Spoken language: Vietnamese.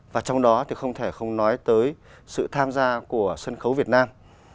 và trong đó thì không thể không nói tới sự tham gia của sân khấu việt nam